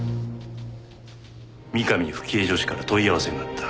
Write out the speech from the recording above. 三上冨貴江女史から問い合わせがあった。